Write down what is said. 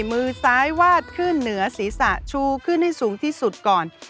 มือซ้ายวาดขึ้นเหนือศีรษะชูขึ้นให้สูงที่สุดก่อน